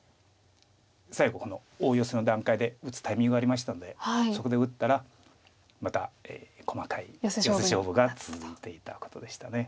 最後この大ヨセの段階で打つタイミングありましたのでそこで打ったらまた細かいヨセ勝負が続いていたことでした。